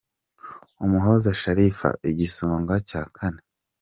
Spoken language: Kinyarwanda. Umuhoza Sharifa : Igisonga cya Kane